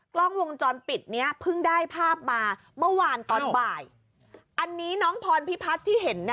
กล้องวงจรปิดเนี้ยเพิ่งได้ภาพมาเมื่อวานตอนบ่ายอันนี้น้องพรพิพัฒน์ที่เห็นน่ะ